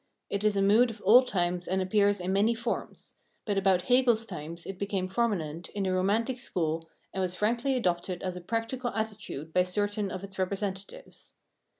It is a mood of all times and appears in many forms ; but about Hegel's time it became prominent in the Romantic school and was frankly adopted as a practical attitude by certain of its representatives.